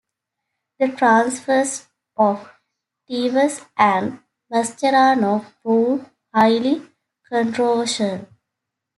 The transfers of Tevez and Mascherano proved highly controversial.